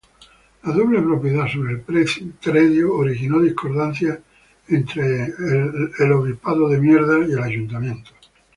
La doble propiedad sobre el predio originó discordancias entre el Obispado y el Ayuntamiento.